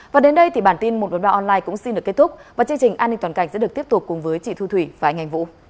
và đến đây thì bản tin một trăm một mươi ba online cũng xin được kết thúc và chương trình an ninh toàn cảnh sẽ được tiếp tục cùng với chị thu thủy và anh anh vũ